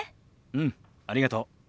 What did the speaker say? うんありがとう。